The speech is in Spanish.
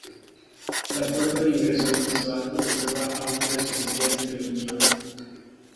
La puerta de ingreso al piso alto conserva aún las yeserías primitivas.